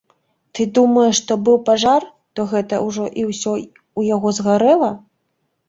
Ты думаеш, што быў пажар, то гэта ўжо і ўсё ў яго згарэла?